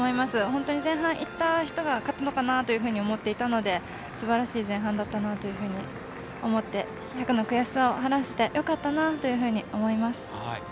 本当に前半いった人が勝つのかなと思っていたのですばらしい前半だったなと思って１００の悔しさを晴らせてよかったなと思います。